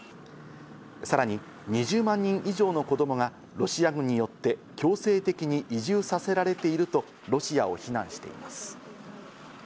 さらに２０万人以上の子供がロシア軍によって強制的に移住させられているとロシアを非難しています。